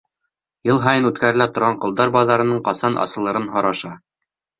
Йыл һайын үткәрелә торған ҡолдар баҙарының ҡасан асылырын һораша.